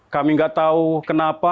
kami ngak tau kenapa